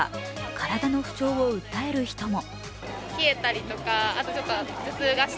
体の不調を訴えるる人も。